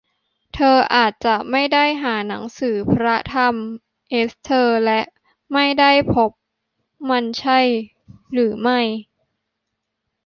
เธออาจจะไม่ได้หาหนังสือพระธรรมเอสเทอร์ และไม่ได้พบมันใช่หรือไม่